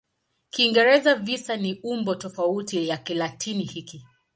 Kiingereza "visa" ni umbo tofauti la Kilatini hiki.